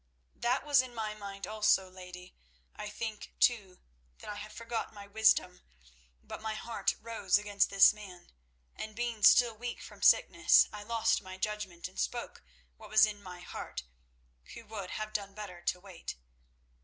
"That was in my mind, also, lady. I think, too, that I have forgot my wisdom, but my heart rose against this man, and being still weak from sickness, I lost my judgment and spoke what was in my heart, who would have done better to wait.